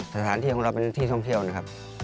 สถานที่ของเราเป็นที่ท่องเที่ยวนะครับ